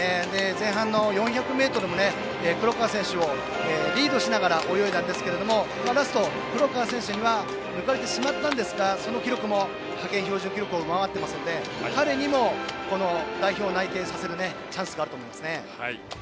前半の４００ｍも黒川選手をリードしながら泳いだんですがラスト、黒川選手には抜かれてしまったんですがその記録も、派遣標準記録を上回っていますので彼にも代表内定させるチャンスがあると思いますね。